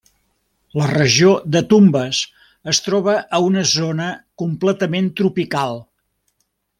La regió de Tumbes es troba a una zona completament tropical.